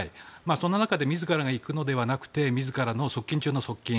その中で自らが行くのではなくて自らの側近中の側近。